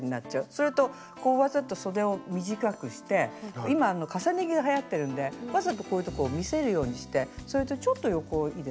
それとわざとそでを短くして今重ね着がはやってるんでわざとこういうとこを見せるようにしてそれとちょっと横いいですか。